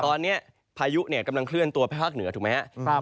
ตอนนี้พายุเนี่ยกำลังเคลื่อนตัวไปภาคเหนือถูกไหมครับ